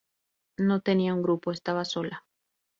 No tenía un grupo, estaba sola.